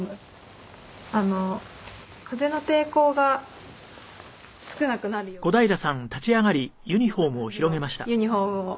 風の抵抗が少なくなるようにこんな感じのユニホームを。